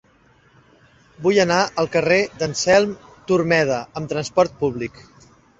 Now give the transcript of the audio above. Vull anar al carrer d'Anselm Turmeda amb trasport públic.